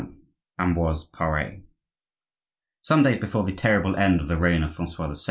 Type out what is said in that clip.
AMBROISE PARE Some days before the terrible end of the reign of Francois II.